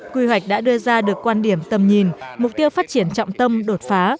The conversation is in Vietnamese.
quy hoạch đã đưa ra được quan điểm tầm nhìn mục tiêu phát triển trọng tâm đột phá